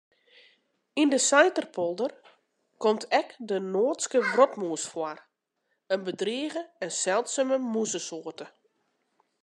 Yn de Saiterpolder komt ek de Noardske wrotmûs foar, in bedrige en seldsume mûzesoarte.